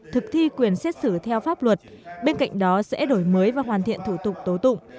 thực thi quyền xét xử theo pháp luật bên cạnh đó sẽ đổi mới và hoàn thiện thủ tục tố tụng